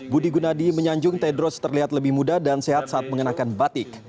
budi gunadi menyanjung tedros terlihat lebih muda dan sehat saat mengenakan batik